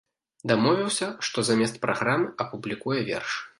Дамовіўся, што замест праграмы апублікуе верш.